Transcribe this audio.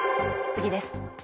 次です。